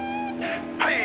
はい」